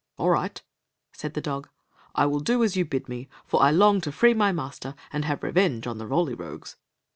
" Ail right," said the dog. " I will do as you bid me ; for I long to free my master and have revenge on the Roly Rogues."